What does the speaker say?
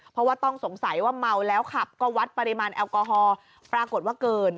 เพราะว่าต้องสงสัยว่าเมาแล้วขับก็วัดปริมาณแอลกอฮอล์ปรากฏว่าเกิน